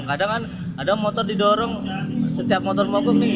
kadang kan ada motor didorong setiap motor mau kemingin